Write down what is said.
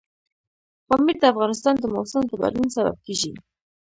پامیر د افغانستان د موسم د بدلون سبب کېږي.